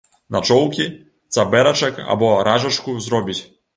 Начоўкі, цабэрачак або ражачку зробіць.